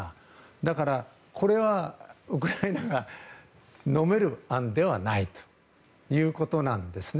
だから、これはウクライナがのめる案ではないということなんですね。